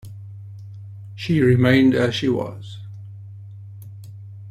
She remained as she was.